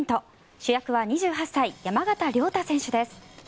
主役は２８歳山縣亮太選手です。